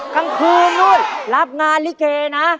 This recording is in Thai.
กลางคืนนู่นรับงานลิเกนะ